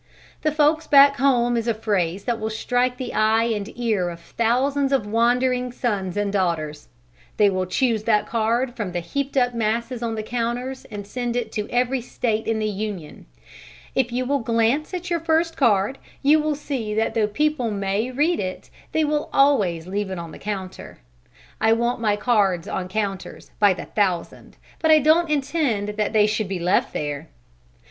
"The folks back home" is a phrase that will strike the eye and ear of thousands of wandering sons and daughters. They will choose that card from the heaped up masses on the counters and send it to every State in the Union. If you will glance at your first card you will see that though people may read it they will always leave it on the counter. I want my cards on counters, by the thousand, but I don't intend that they should be left there!